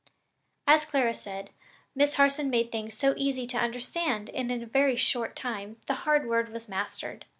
As Clara said, Miss Harson made things so easy to understand! and in a very short time the hard word was mastered.